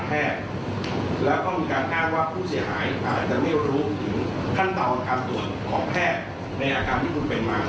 จะไม่รู้ถึงขั้นตอนการตรวจของแพทย์ในอาการที่คุณเป็นมา